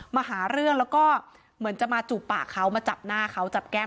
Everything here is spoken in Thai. มาหาเรื่องแล้วก็เหมือนจะมาจูบปากเขามาจับหน้าเขาจับแก้ม